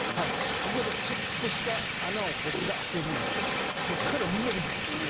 ここでちょっとした穴を僕が開けるんでそっからみんなでぐわ！